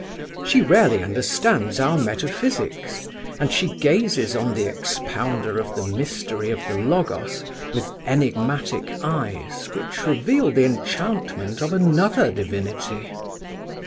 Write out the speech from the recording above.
She rarely understands our metaphysics, and she gazes on the expounder of the mystery of the Logos with enigmatic eyes which reveal the enchantment of another divinity.